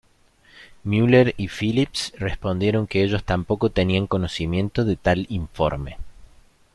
Mueller y Phillips respondieron que ellos tampoco tenían conocimiento de tal "informe".